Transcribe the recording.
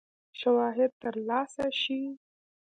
شواهد تر لاسه شي.